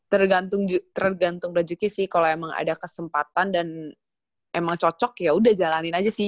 tergantung tergantung udah juga sih kalau emang ada kesempatan dan emang cocok ya udah jalanin aja sih